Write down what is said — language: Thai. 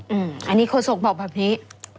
อืมอันนี้โครศกบอกแบบนี้